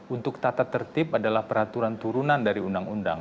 untuk tata tertib adalah peraturan turunan dari undang undang